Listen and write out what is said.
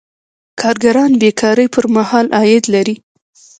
کارګران بې کارۍ پر مهال عاید لري.